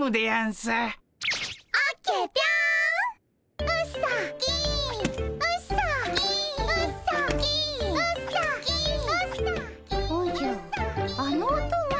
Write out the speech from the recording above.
あの音は。